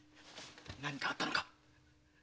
何かあったのか？